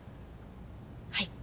はい。